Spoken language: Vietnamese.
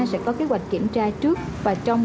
sẽ có kế hoạch kiểm tra trước và trong